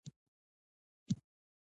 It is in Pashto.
د موم لایی د څه لپاره وکاروم؟